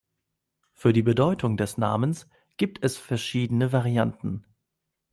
Für die Bedeutung des Namens gibt es verschiedene Varianten.